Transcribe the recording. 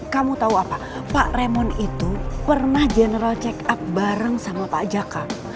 kamu tahu apa pak remon itu pernah general check up bareng sama pak jaka